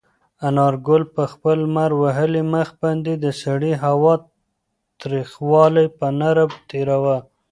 انارګل په خپل لمر وهلي مخ باندې د سړې هوا تریخوالی په نره تېراوه.